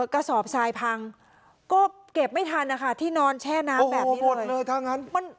กระสอบทรายพังก็เก็บไม่ทันที่นอนแช่น้ำแบบนี้เลย